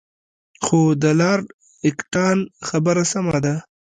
خو د لارډ اکټان خبره سمه ده.